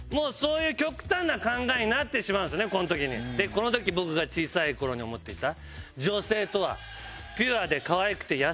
この時僕が小さい頃に思っていた。